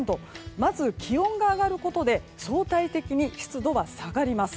まず気温が上がることで相対的に湿度が下がります。